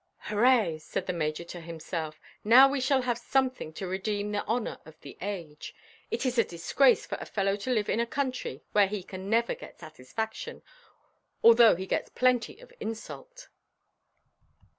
"Hurrah," said the Major to himself, "now we shall have something to redeem the honour of the age. It is a disgrace for a fellow to live in a country where he can never get satisfaction, although he gets plenty of insult."